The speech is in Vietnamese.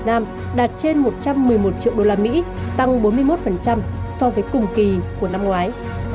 của việt nam đạt trên một trăm một mươi một triệu đô la mỹ tăng bốn mươi một so với cùng kỳ của năm ngoái